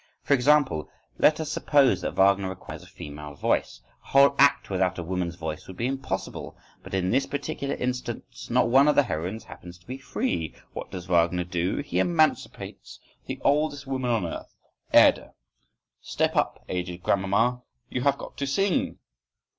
For example, let us suppose that Wagner requires a female voice. A whole act without a woman's voice would be impossible! But in this particular instance not one of the heroines happens to be free. What does Wagner do? He emancipates the oldest woman on earth, Erda. "Step up, aged grandmamma! You have got to sing!"